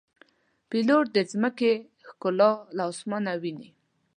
پیلوټ د ځمکې ښکلا له آسمانه ویني.